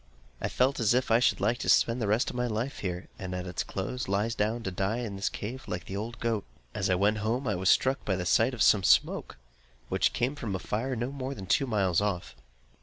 I felt as if I should like to spend the rest of my life here; and at its close, lie down to die in this cave, like the old goat. As I went home I was struck by the sight of some smoke, which came from a fire no more than two miles off.